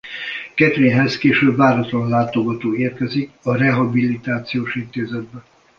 Katherine-hez később váratlan látogató érkezik a rehabilitációs intézetbe.